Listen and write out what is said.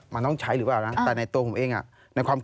มันต้องใช้หรือเปล่านะแต่ในตัวผมเอง